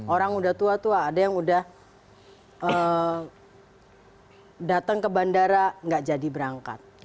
orang udah tua tua ada yang udah datang ke bandara gak jadi berangkat